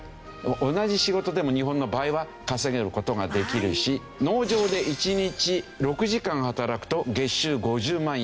同じ仕事でも日本の倍は稼げる事ができるし農場で１日６時間働くと月収５０万円。